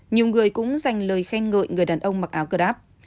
nhiều người cũng dành lời khen ngợi người đàn ông mặc áo grab